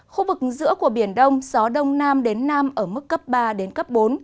khu vực giữa của biển đông gió đông nam đến nam ở mức cấp ba đến cấp bốn